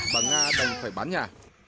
bà nga đồng phải bán nhà